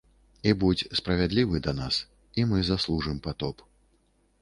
І будзь справядлівы да нас, і мы заслужым патоп.